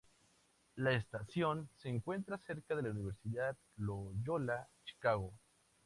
La estación se encuentra cerca de la Universidad Loyola Chicago.